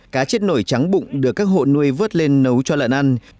cá chết nổi trắng bụng được các hộ nuôi vớt lên nấu cho lợn ăn